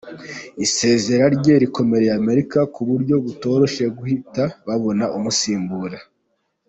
Isezera rye rikomereye Amerika ku buryo bitoroshye guhita babona umusimbura.